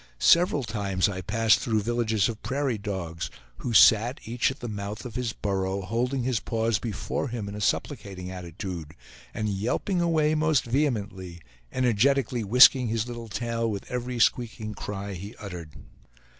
Several times I passed through villages of prairie dogs, who sat, each at the mouth of his burrow, holding his paws before him in a supplicating attitude, and yelping away most vehemently, energetically whisking his little tail with every squeaking cry he uttered.